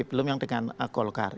belum yang dengan golkar